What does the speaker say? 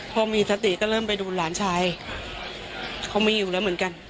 พอมีสติก็เริ่มไปดูหลานชายเขาไม่อยู่แล้วเหมือนกัน